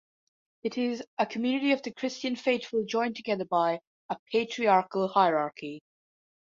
It is 'a community of the Christian faithful joined together by' a Patriarchal hierarchy.